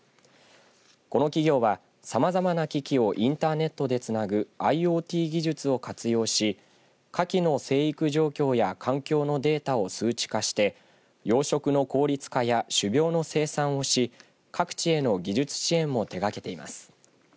この企業はさまざまな機器をインターネットでつなぐＩｏＴ技術を活用しかきの生育状況や環境のデータを数値化して養殖の効率化や種苗の生産をし各地への技術支援も手がけています。